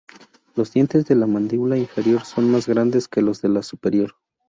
Los dientes de la mandíbula inferior son más grandes que los de la superior.